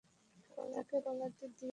তাকে পালাতে দিও না।